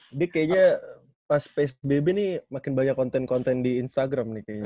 ini kayaknya pas space baby nih makin banyak konten konten di instagram nih kayaknya